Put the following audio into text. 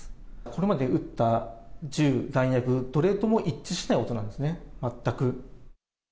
これまで撃った銃、弾薬、どれとも一致しない音なんですね、全く。